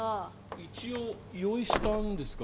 一応用意したんですが。